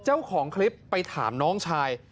เจ้าของคลิปไปถามน้องชาย